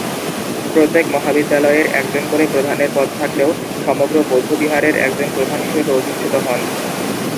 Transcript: প্রত্যেক মহাবিদ্যালয়ের একজন করে প্রধানের পদ থাকলেও সমগ্র বৌদ্ধবিহারের একজন প্রধান হিসেবে অধিষ্ঠিত হন।